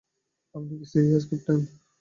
আপনি কি serious, captain?